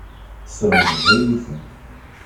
Teslemdeḍ-iyi-ten.